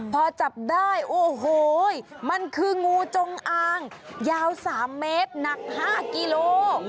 พอจับได้โอ้โหมันคืองูจงอางยาว๓เมตรหนัก๕กิโล